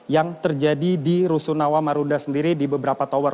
yang terjadi di rusunawa marunda sendiri di beberapa tower